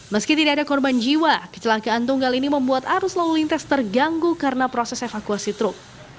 meski tidak ada korban jiwa kecelakaan tunggal ini membuat arus lalu lintas terganggu karena proses evakuasi truk